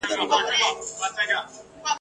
څرنګه چي شعر مخاطب لري !.